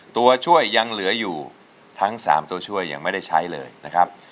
ตัวช่วยยังเหลืออยู่ทั้ง๓ตัวช่วยยังไม่ได้ใช้เลยนะครับ